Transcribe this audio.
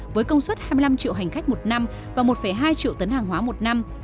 với công suất hai mươi năm triệu hành khách một năm và một hai triệu tấn hàng hóa một năm